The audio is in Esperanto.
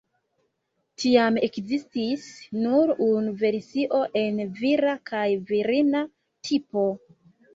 Tiam ekzistis nur unu versio en vira kaj virina tipo.